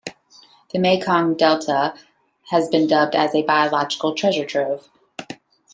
The Mekong Delta has been dubbed as a "biological treasure trove".